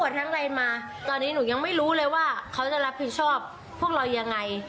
ทั้งอะไรมาตอนนี้หนูยังไม่รู้เลยว่าเขาจะรับผิดชอบพวกเรายังไง